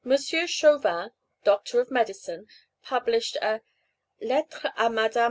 Chauvin, Doctor of Medicine, published a "_Lettre à Mme.